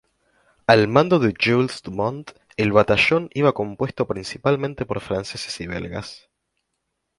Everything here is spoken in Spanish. Al mando de Jules Dumont, el batallón iba compuesto principalmente por franceses y belgas.